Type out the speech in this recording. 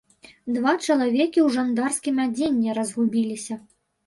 Два чалавекі ў жандарскім адзенні разгубіліся.